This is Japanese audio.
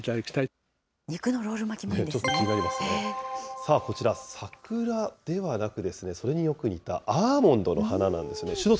さあ、こちら、桜ではなく、それによく似たアーモンドの花なんですね。